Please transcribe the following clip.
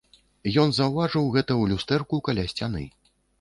Ён заўважыў гэта ў люстэрку каля сцяны.